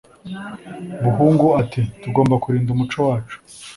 Buhungu ati “Tugomba kurinda umuco wacu